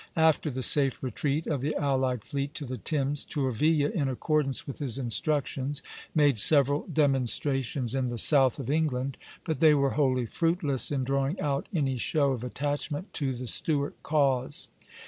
After the safe retreat of the allied fleet to the Thames, Tourville, in accordance with his instructions, made several demonstrations in the south of England; but they were wholly fruitless in drawing out any show of attachment to the Stuart cause.